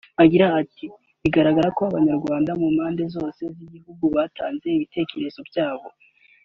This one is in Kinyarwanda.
Agize ati “Bigaragara ko Abanyarwanda mu mpande zose z’igihugu batanze ibitekerezo byabo